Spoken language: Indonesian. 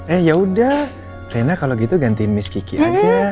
eh yaudah rena kalau gitu ganti miss kiki aja